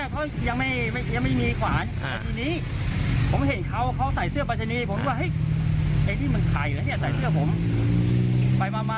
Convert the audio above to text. พี่เหตุการณ์ที่พี่กลัวไหม